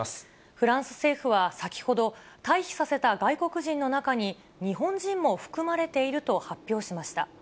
フランス政府は先ほど、退避させた外国人の中に、日本人も含まれていると発表しました。